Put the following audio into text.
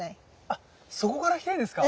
あそこから来てるんですか。